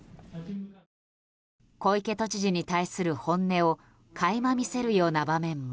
小池都知事に対する本音を垣間見せるような場面も。